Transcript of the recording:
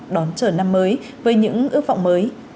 đón trở năm mới với những ước vọng mới